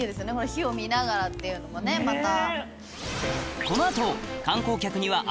火を見ながらっていうのもねまた。